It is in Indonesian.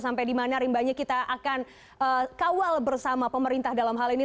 sampai di mana rimbanya kita akan kawal bersama pemerintah dalam hal ini